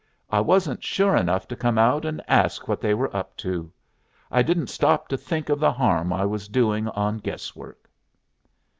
I wasn't sure enough to come out and ask what they were up to. I didn't stop to think of the harm I was doing on guess work."